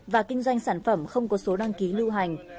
và kinh doanh sản phẩm không có số đăng ký lưu hành